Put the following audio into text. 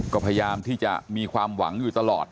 ก็พยายามที่จะมีความหวังอยู่ตลอด